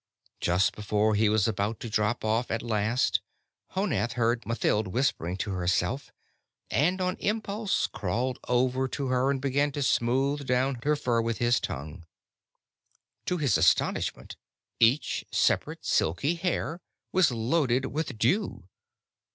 Just before he was about to drop off at last, Honath heard Mathild whimpering to herself and, on impulse, crawled over to her and began to smooth down her fur with his tongue. To his astonishment each separate, silky hair was loaded with dew.